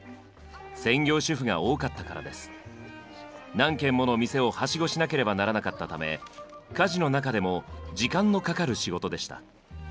何軒もの店をハシゴしなければならなかったため家事の中でも時間のかかる仕事でした。